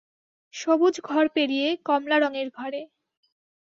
সবুজ ঘর পেরিয়ে কমলারঙের ঘরে।